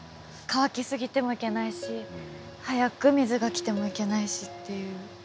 乾き過ぎてもいけないし早く水が来てもいけないしっていう。